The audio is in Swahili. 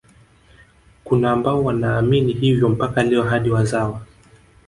Kuna ambao wanaamini hivyo mpaka leo hadi wazawa